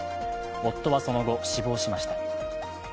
夫はその後、死亡しました。